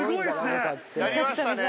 やりましたね。